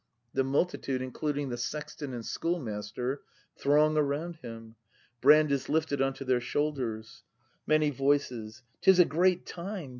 [The multitude, including the Sexton and Schoolmaster, throng around him. Brand is lifted on to their shoulders. Many Voices. 'Tis a great Time!